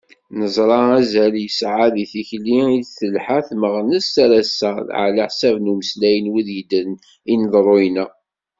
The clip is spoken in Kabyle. Neẓra azal yesɛa deg tikli i d-telḥa timmeɣnest ar ass-a, ɛlaḥsab n umeslay n wid yeddren ineḍruyen-a.